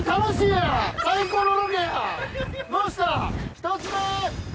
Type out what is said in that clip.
１つ目！